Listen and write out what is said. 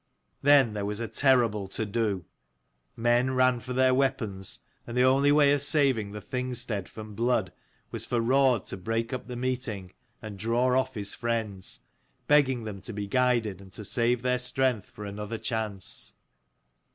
Then there was a terrible to do. Men ran for their weapons ; and the only way of saving the Thing stead from blood was for Raud to break up the meeting, and draw off his friends ; begging them to be guided and to save their strength for another chance.